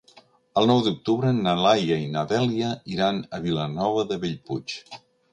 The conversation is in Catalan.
El nou d'octubre na Laia i na Dèlia iran a Vilanova de Bellpuig.